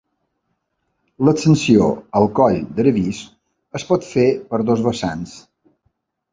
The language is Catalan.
L'ascensió al coll d'Aravis es pot fer per dos vessants.